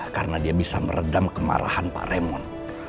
karena dia bisa meredam kemarahan pak remon